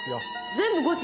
全部ゴチ？